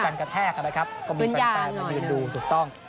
กันกระแทกครับนะครับก็มีแฟนการมาดูถูกต้อง